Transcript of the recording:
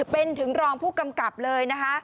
เป็นถึงรองผู้กำกับเลยนะคะ